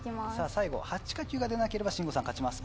最後８か９が出なければ信五さん勝ちます。